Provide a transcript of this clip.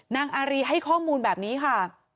นางอารีให้ข้อมูลแบบนี้ค่ะ